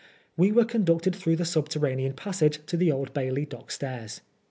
We were conducted through the subterranean passage to the Old Bailey dock stairs.